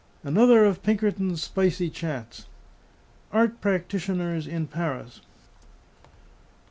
ANOTHER OF PINKERTON'S SPICY CHATS. ART PRACTITIONERS IN PARIS.